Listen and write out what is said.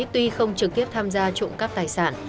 tuy không trực tiếp tham gia trộm cắp tài sản